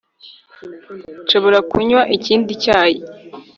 Nshobora kunywa ikindi cyayi